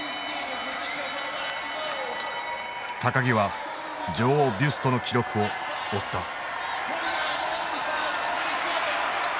木は女王ビュストの記録を追った。